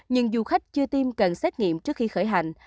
nhưng du khách chưa tiêm cần xét nghiệm trước khi khởi hành